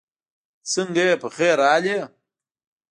سنګه یی پخير راغلې